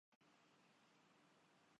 نمونہ good governance کا۔